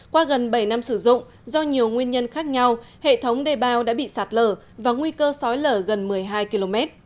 qua gần bảy năm sử dụng do nhiều nguyên nhân khác nhau hệ thống đề bao đã bị sạt lở và nguy cơ sói lở gần một mươi hai km